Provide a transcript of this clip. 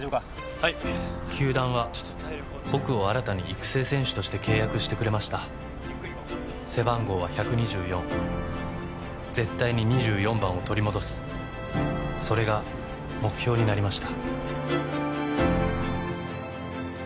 はい球団は僕を新たに育成選手として契約してくれました背番号は１２４絶対に２４番を取り戻すそれが目標になりました